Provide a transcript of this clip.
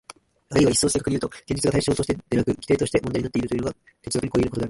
あるいは一層正確にいうと、現実が対象としてでなく基底として問題になってくるというのが哲学に固有なことである。